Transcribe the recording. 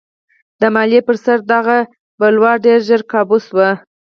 د مالیې پر سر دغه بلوا ډېر ژر کابو شوه.